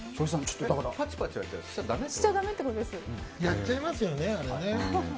やっちゃいますよね。